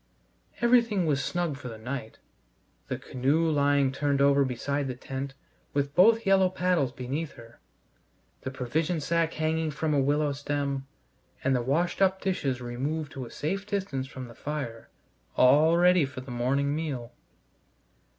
Everything was snug for the night; the canoe lying turned over beside the tent, with both yellow paddles beneath her; the provision sack hanging from a willow stem, and the washed up dishes removed to a safe distance from the fire, all ready for the morning meal.